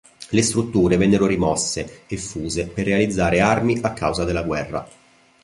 Le strutture vennero rimosse e fuse per realizzare armi a causa della guerra.